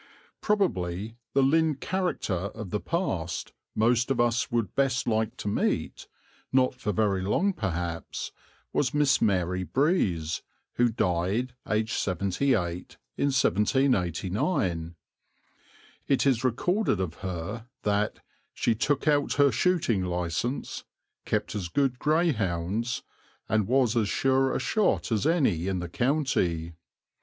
Probably the Lynn "character" of the past most of us would best like to meet, not for very long perhaps, was Miss Mary Breeze, who died, aged seventy eight, in 1789. It is recorded of her that "she took out her shooting license, kept as good greyhounds, and was as sure a shot as any in the county."